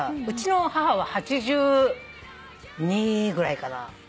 うちの母は８２ぐらいかな。